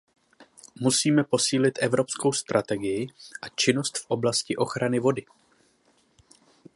Musíme posílit evropskou strategii a činnost v oblasti ochrany vody.